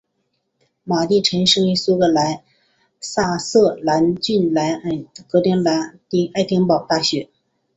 马地臣生于苏格兰萨瑟兰郡莱尔格和爱丁堡大学。